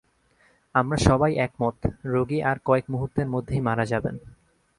আমরা সবাই একমত, রোগী আর কয়েক মুহূর্তের মধ্যেই মারা যাবেন।